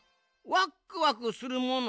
ワックワクするもの？